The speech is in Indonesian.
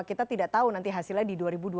kita tidak tahu nanti hasilnya di dua ribu dua puluh